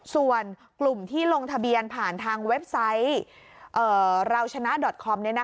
ส่วนกลุ่มที่ลงทะเบียนผ่านทางเว็บไซต์เราชนะดอตคอม